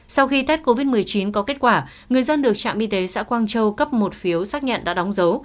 sau khi tết covid một mươi chín có kết quả người dân được trạm y tế xã quang châu cấp một phiếu xác nhận đã đóng dấu